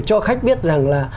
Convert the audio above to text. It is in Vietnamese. cho khách biết rằng là